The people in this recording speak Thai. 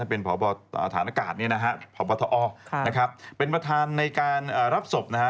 นั่นเป็นพบฐานกาลพบอเป็นประธานในการรับศพ